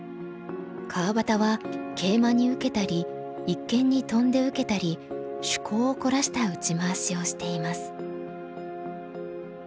川端はケイマに受けたり一間にトンで受けたり趣向を凝らした打ち回しをしています。